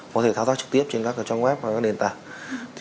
có thể thao tác trực tiếp trên các trang web và đền tảng